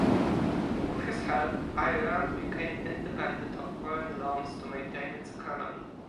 With his help, Iran became independent of foreign loans to maintain its economy.